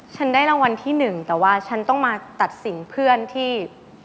ฉันได้รางวัลที่หนึ่งแต่ว่าฉันต้องมาตัดสินเพื่อนที่